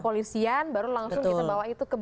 polisian baru langsung kita bawa itu ke